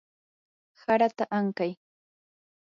harata ankay.